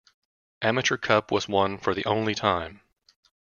Amateur Cup was won for the only time.